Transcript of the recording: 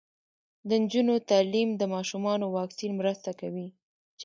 د نجونو تعلیم د ماشومانو واکسین مرسته کوي.